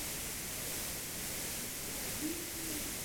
कश्मीर में दो आतंकवादी ठिकाने का भंडाफोड़